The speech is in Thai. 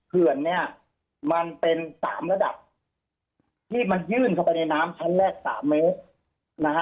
หลวงสูงประเภทละ๘เมตร